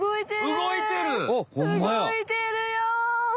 動いてるよ！